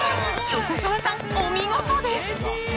横澤さん、お見事です。